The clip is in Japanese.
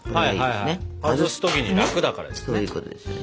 外す時に楽だからですね。